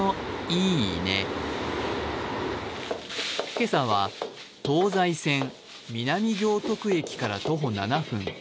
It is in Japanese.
今朝は東西線・南行徳駅から徒歩７分。